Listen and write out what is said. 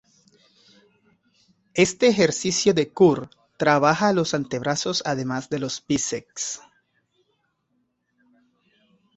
Este ejercicio de Curl trabaja los antebrazos además de los bíceps.